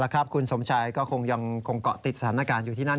คุณสมชัยก็คงยังคงเกาะติดสถานการณ์อยู่ที่นั่น